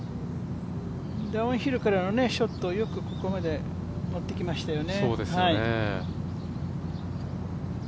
ダウンヒルからのショット、よくここまで持ってきましたよね。